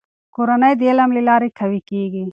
کورنۍ د علم له لارې قوي کېږي.